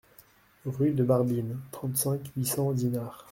Rue de Barbine, trente-cinq, huit cents Dinard